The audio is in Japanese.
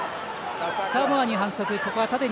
サモアに反則。